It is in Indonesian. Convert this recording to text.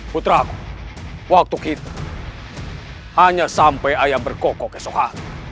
putra waktu kita hanya sampai ayah berkoko ke sokha